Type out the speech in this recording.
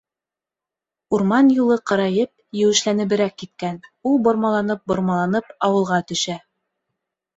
Урман юлы ҡарайып, еүешләнеберәк киткән; ул бормаланып-бормаланып ауылға төшә.